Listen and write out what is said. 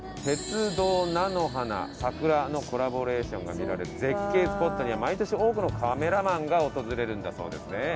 鉄道菜の花桜のコラボレーションが見られる絶景スポットには毎年多くのカメラマンが訪れるんだそうですね。